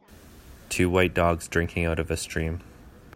two white dogs drinking out of a stream